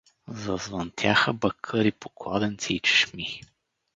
Зазвънтяха бакъри по кладенци и чешми.